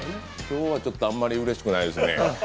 今日はちょっとあんまり嬉しくないですね。